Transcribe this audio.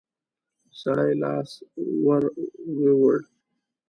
سړي لاس ور ووړ.